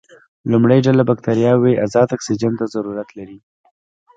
لومړۍ ډله بکټریاوې ازاد اکسیجن ته ضرورت لري.